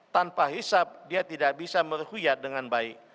tanpa hisab dia tidak bisa meruhyat dengan baik